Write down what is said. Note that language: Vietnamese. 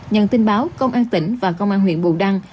nhận tin báo công an tỉnh và công an huyện bù đăng